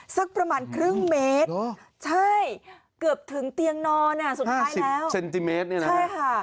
สักประมาณครึ่งเมตรใช่เกือบถึงเตียงนอนน่ะสุดท้ายแล้วใช่ค่ะ